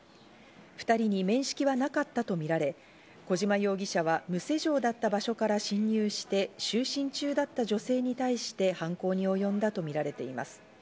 ２人に面識はなかったとみられ、小島容疑者は無施錠だった場所から侵入して、就寝中だった女性に対して犯行に及んだとみられています。